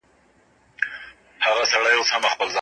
هغه څېړنه چي اړتیا یې وي ګټوره ده.